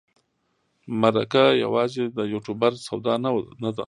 مرکه یوازې د یوټوبر سودا نه ده.